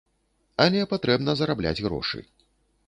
Але патрэбна зарабляць грошы.